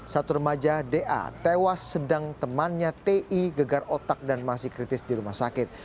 satu remaja da tewas sedang temannya ti gegar otak dan masih kritis di rumah sakit